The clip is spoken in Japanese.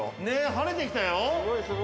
ねっ晴れてきたよ。